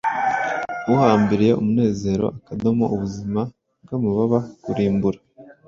Uhambiriye umunezero Akadomo ubuzima bwamababa kurimbura